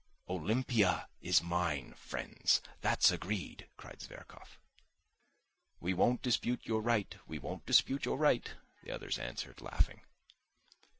"Olympia is mine, friends, that's agreed!" cried Zverkov. "We won't dispute your right, we won't dispute your right," the others answered, laughing.